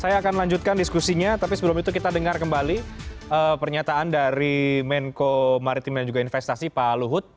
saya akan lanjutkan diskusinya tapi sebelum itu kita dengar kembali pernyataan dari menko maritim dan juga investasi pak luhut